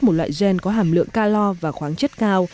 một loại gen có hàm lượng ca lo và khoáng chất cao